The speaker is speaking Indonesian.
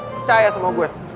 percaya sama gue